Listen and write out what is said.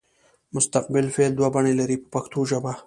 مستقبل فعل دوه بڼې لري په پښتو ژبه.